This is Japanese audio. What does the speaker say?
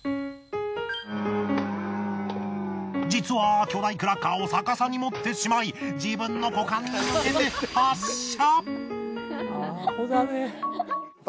実は巨大クラッカーを逆さに持ってしまい自分の股間に向けて発射。